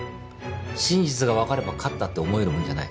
真実がわかれば勝ったって思えるもんじゃない。